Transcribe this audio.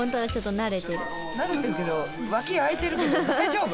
慣れてるけどわき開いてるけど大丈夫？